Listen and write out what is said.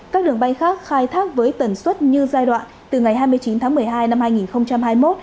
các đường bay khác khai thác với tần suất như giai đoạn từ ngày hai mươi chín tháng một mươi hai năm hai nghìn hai mươi một